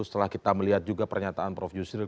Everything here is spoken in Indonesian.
setelah kita melihat juga pernyataan prof yusril